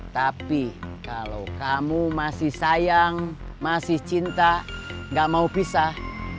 tapi kalau kamu masih sayang masih cinta gak mau pisah